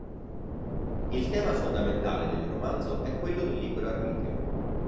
Il tema fondamentale del romanzo è quello del libero arbitrio.